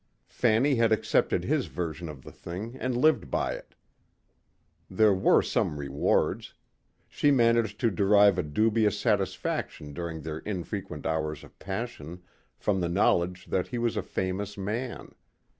Fanny had accepted his version of the thing and lived by it. There were some rewards. She managed to derive a dubious satisfaction during their infrequent hours of passion from the knowledge that he was a famous man.